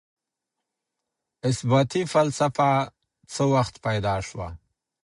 اثباتي فلسفه څه وخت پيدا سوه؟